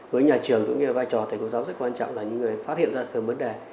với nhà trường cũng như là vai trò thầy cô giáo rất quan trọng là những người phát hiện ra sớm vấn đề